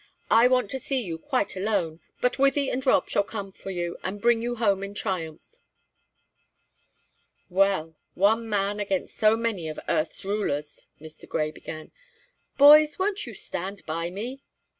I want to see you quite alone, but Wythie and Rob shall come for you, and bring you home in triumph." "Well, one man against so many of the earth's rulers," Mr. Grey began. "Boys, won't you stand by me?"